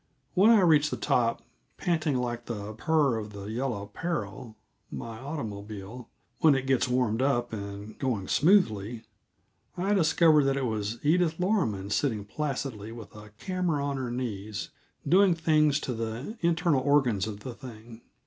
When I reached the top, panting like the purr of the Yellow Peril my automobile when it gets warmed up and going smoothly, I discovered that it was Edith Loroman sitting placidly, with a camera on her knees, doing things to the internal organs of the thing.